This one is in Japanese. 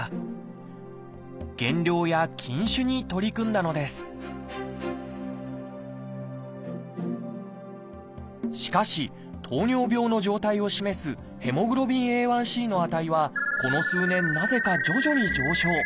減量や禁酒に取り組んだのですしかし糖尿病の状態を示すＨｂＡ１ｃの値はこの数年なぜか徐々に上昇。